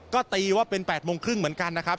ก็ตีว่าเป็น๘โมงครึ่งเหมือนกันนะครับ